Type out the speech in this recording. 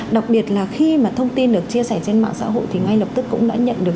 đặc biệt là khi mà thông tin được chia sẻ trên mạng xã hội thì ngay lập tức cũng đã nhận được